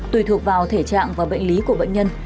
tùy thuộc vào thể trạng và bệnh lý của bệnh nhân